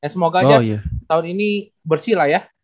semoga aja tahun ini bersih lah ya